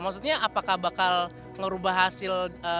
maksudnya apakah bakal ngerubah hasil